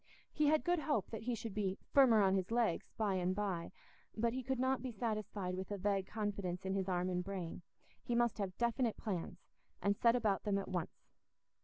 He had good hope that he should be "firmer on his legs" by and by; but he could not be satisfied with a vague confidence in his arm and brain; he must have definite plans, and set about them at once.